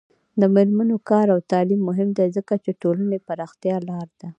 د میرمنو کار او تعلیم مهم دی ځکه چې ټولنې پراختیا لاره ده.